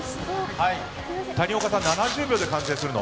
谷岡さん７０秒で完成するの？